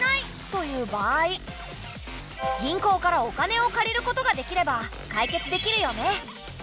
銀行からお金を借りることができれば解決できるよね。